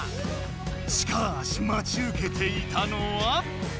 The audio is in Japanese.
しかしまちうけていたのは。